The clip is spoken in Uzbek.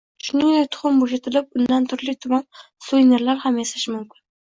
Shuningdek tuxum bo‘shatilib, undan turli tuman suvenirlar ham yasash mumkin.